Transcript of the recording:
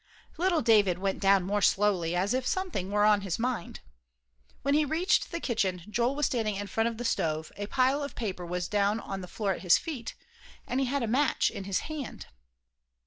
Little David went down more slowly, as if something were on his mind. When he reached the kitchen, Joel was standing in front of the stove, a pile of paper was down on the floor at his feet, and he had a match in his hand.